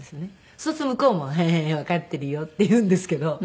そうすると向こうも「ヘヘヘ。わかっているよ」って言うんですけど。